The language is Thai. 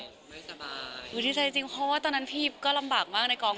ดูดีใจจริงเพราะว่าตอนนั้นพี่ยิปก็ลำบากมากในกอง